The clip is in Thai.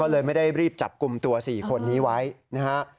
เลยไม่ได้รีบจับกลุ่มตัว๔คนนี้ไว้นะฮะ